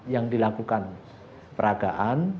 yang dilakukan peragaan